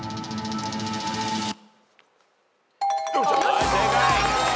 はい正解。